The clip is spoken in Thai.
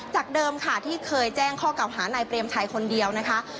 จากเดิมค่ะที่เคยแจ้งข้อเก่าหานายเปรมชัยคนเดียวนะคะ